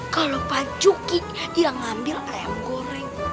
kalau pak juki yang ambil ayam goreng